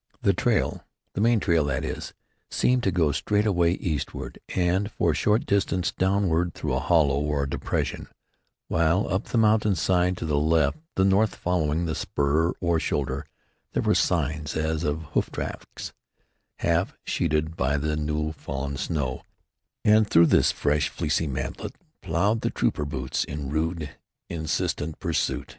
The trail, the main trail, that is, seemed to go straight away eastward, and, for a short distance, downward through a hollow or depression; while, up the mountain side to the left, the north, following the spur or shoulder, there were signs as of hoof tracks, half sheeted by the new fallen snow, and through this fresh, fleecy mantlet ploughed the trooper boots in rude, insistent pursuit.